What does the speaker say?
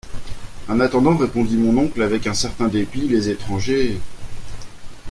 En attendant, répondit mon oncle avec un certain dépit, les étrangers…